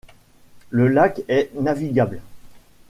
Le lac est navigable.